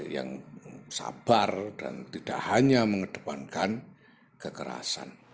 yang sabar dan tidak hanya mengedepankan kekerasan